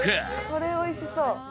これ美味しそう。